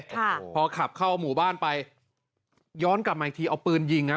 ค่ะพอขับเข้าหมู่บ้านไปย้อนกลับมาอีกทีเอาปืนยิงฮะ